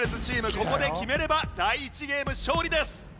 ここで決めれば第１ゲーム勝利です。